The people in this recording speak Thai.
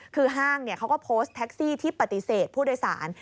คือห้างเขาก็โพสต์แท็กซี่ที่ปฏิเสธผู้โดยสาร